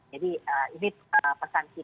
jadi ini pesan kita bahwa kita tidak lagi